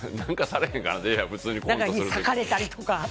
裂かれたりとか。